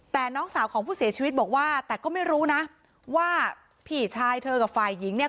แต่น้องสาวของผู้เสียชีวิตบอกว่าแต่ก็ไม่รู้นะว่าพี่ชายเธอกับฝ่ายหญิงเนี่ย